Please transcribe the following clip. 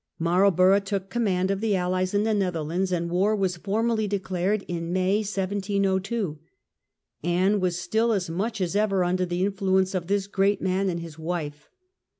Marlborough took com A promising niand of the alUes in the Netherlands, and opening. ^ar was formally declared in May, 1702. Anne was still as much as ever under the influence of this great man and his wife.